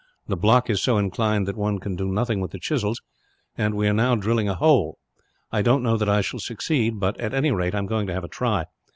The block is so inclined that one can do nothing with the chisels, and we are now drilling a hole. I don't know that I shall succeed but, at any rate, I am going to have a try.